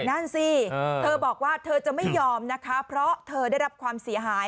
นั่นสิเธอบอกว่าเธอจะไม่ยอมนะคะเพราะเธอได้รับความเสียหาย